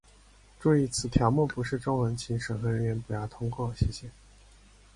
ار ۇباق ەستەن چىقبايىت ساباقتاشتار